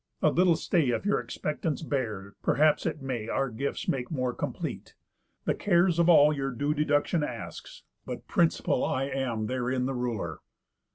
A little stay If your expectance bear, perhaps it may Our gifts make more complete. The cares of all Your due deduction asks; but principal I am therein the ruler."